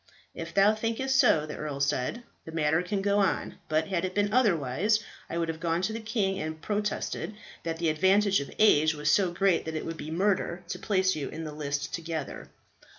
"If thou thinkest so," the earl said, "the matter can go on. But had it been otherwise, I would have gone to the king and protested that the advantage of age was so great that it would be murder to place you in the list together."